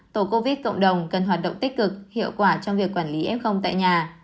tổ covid cộng đồng cần hoạt động tích cực hiệu quả trong việc quản lý f tại nhà